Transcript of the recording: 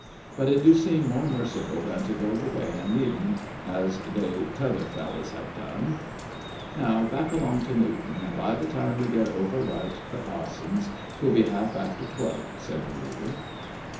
'But it do seem more merciful than to go away and leave en, as they t'other fellers have done.' 'Now backalong to Newton, and by the time we get overright the pa'son's 'twill be half after twelve,' said the leader.